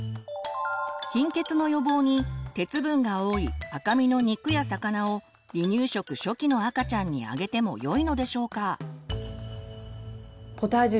貧血の予防に鉄分が多い赤身の肉や魚を離乳食初期の赤ちゃんにあげてもよいのでしょうか？